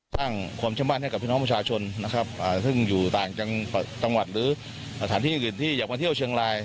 สร้างความเชื่อมั่นให้กับพี่น้องประชาชนนะครับซึ่งอยู่ต่างจังหวัดหรือสถานที่อื่นที่อยากมาเที่ยวเชียงราย